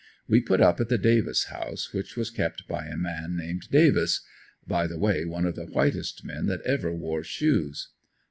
We put up at the Davis House, which was kept by a man named Davis by the way one of the whitest men that ever wore shoes.